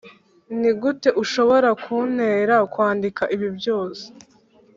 nigute ushobora kuntera kwandika ibi byose.